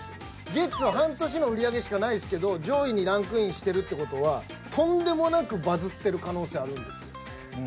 ゲッツは半年の売り上げしかないですけど上位にランクインしてるって事はとんでもなくバズってる可能性あるんです。